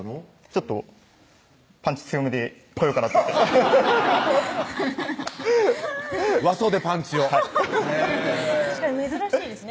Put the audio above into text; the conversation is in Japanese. ちょっとパンチ強めで来ようかなと思って和装でパンチをへぇ確かに珍しいですね